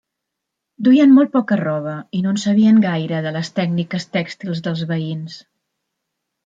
Duien molt poca roba, i no en sabien gaire de les tècniques tèxtils dels veïns.